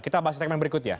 kita bahas segmen berikut ya